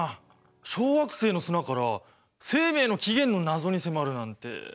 小惑星の砂から生命の起源の謎に迫るなんて。